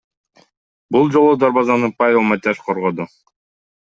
Бул жолу дарбазаны Павел Матяш коргоду.